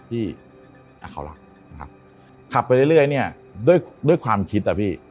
ที่อ่ะขอบคุณมากครับขับไปเรื่อยเรื่อยเนี้ยด้วยด้วยความคิดอะพี่